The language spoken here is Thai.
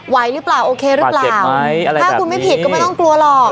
ไหวหรือเปล่าโอเคหรือเปล่าปลาเจ็บไหมอะไรแบบนี้ถ้าคุณไม่ผิดก็ไม่ต้องกลัวหรอก